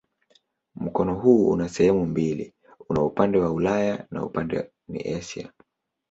Mkoa huu una sehemu mbili: una upande wa Ulaya na upande ni Asia.